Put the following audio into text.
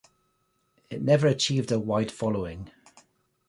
It never achieved a wide following.